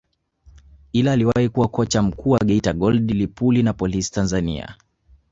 ila aliwahi kuwa kocha mkuu wa Geita Gold Lipuli na Polisi Tanzania